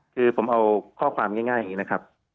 คือผมเอาข้อความง่ายอย่างนี้นะครับ